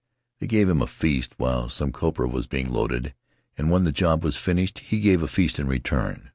They gave him a feast while some copra was being loaded, and when the job was finished he gave a feast in return.